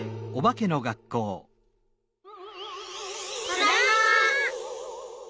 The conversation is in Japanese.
ただいま。